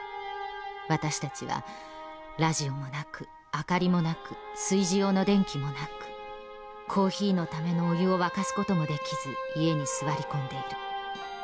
私たちはラジオもなく明かりもなく炊事用の電気もなくコーヒーのためのお湯を沸かす事もできず家に座り込んでいる。